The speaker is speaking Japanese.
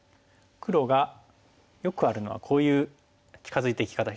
黒がよくあるのはこういう近づいていき方しますよね。